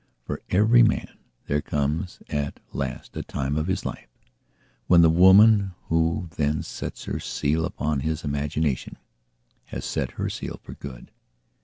For every man there comes at last a time of life when the woman who then sets her seal upon his imagination has set her seal for good.